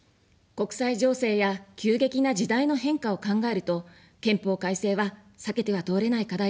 国際情勢や急激な時代の変化を考えると、憲法改正は避けては通れない課題ですね。